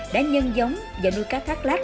đã nhân giống và nuôi cá thác lát